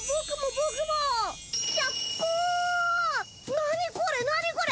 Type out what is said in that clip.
何これ何これ！